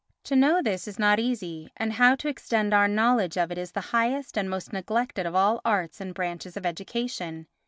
To know this is not easy, and how to extend our knowledge of it is the highest and the most neglected of all arts and branches of education.